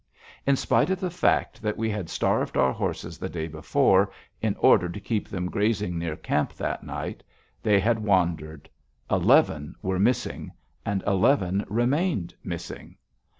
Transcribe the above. In spite of the fact that we had starved our horses the day before, in order to keep them grazing near camp that night, they had wandered. Eleven were missing, and eleven remained missing.